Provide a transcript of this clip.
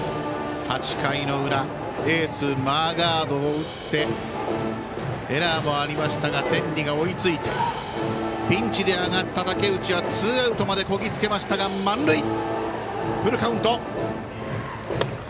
８回の裏エース、マーガードを打ってエラーもありましたが天理が追いついてピンチで上がった武内はツーアウトまでこぎつけましたが満塁。